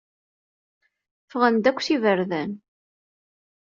Ffɣen-d akk s iberdan.